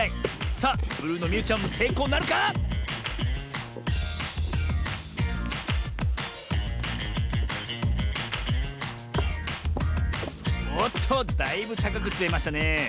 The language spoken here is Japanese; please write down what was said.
さあブルーのみゆちゃんもせいこうなるか⁉おっとだいぶたかくつめましたねえ。